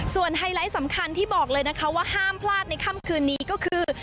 ไฮไลท์สำคัญที่บอกเลยนะคะว่าห้ามพลาดในค่ำคืนนี้ก็คือ